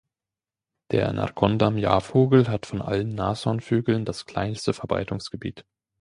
Der Narcondam-Jahrvogel hat von allen Nashornvögeln das kleinste Verbreitungsgebiet.